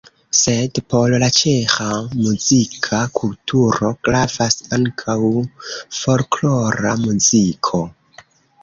Sed por la ĉeĥa muzika kulturo gravas ankaŭ folklora muziko.